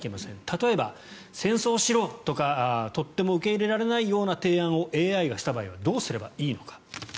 例えば戦争しろとかとても受け入れられないような提案をＡＩがした場合はどうすればいいのか。